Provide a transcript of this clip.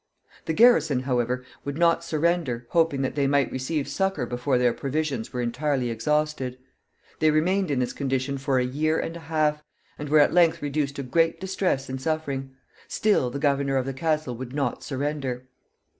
The garrison, however, would not surrender, hoping that they might receive succor before their provisions were entirely exhausted. They remained in this condition for a year and a half, and were at length reduced to great distress and suffering. Still, the governor of the castle would not surrender.